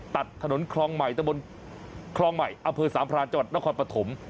ตัดถนนคลองใหม่ตะบนคลองใหม่อำเภอสามพรานจังหวัดนครปฐม